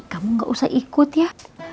kamu gak usah ikut ya